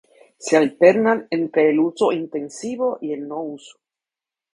Se alternan entre el uso intensivo y el no uso.